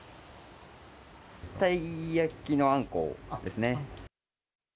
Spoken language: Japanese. たい焼きのあんこですね。